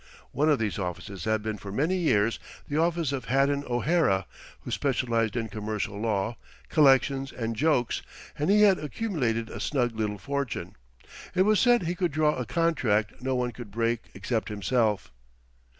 One of these offices had been for many years the office of Haddon O'Hara, who specialized in commercial law, collections, and jokes, and he had accumulated a snug little fortune. It was said he could draw a contract no one could break except himself.